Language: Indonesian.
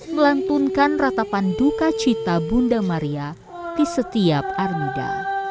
melantunkan ratapan duka cita bunda maria di setiap armida